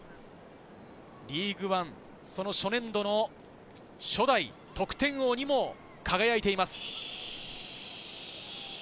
リーグワン、初年度の初代得点王にも輝いています。